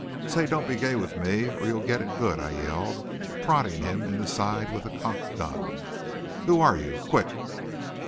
"Say, don't be gay with me or you'll get it good," I yelled, prodding him in the side with the cocked gun. "Who are you? Quick!"